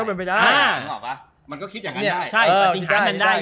มันก็คิดอย่างนั้นได้